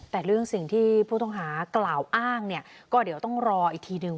แต่เรื่องสิ่งที่ผู้ต้องหากล่าวอ้างเนี่ยก็เดี๋ยวต้องรออีกทีนึง